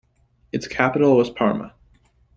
Its capital was Parma.